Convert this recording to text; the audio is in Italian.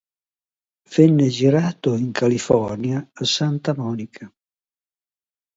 Venne girato in California a Santa Monica.